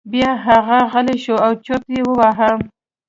بیا هغه غلی شو او چرت یې وواهه.